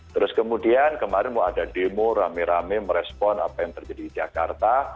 terus kemudian kemarin mau ada demo rame rame merespon apa yang terjadi di jakarta